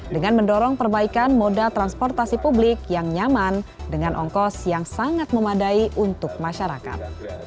dengan mendorong perbaikan moda transportasi publik yang nyaman dengan ongkos yang sangat memadai untuk masyarakat